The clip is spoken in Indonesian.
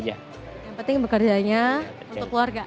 yang penting bekerjanya untuk keluarga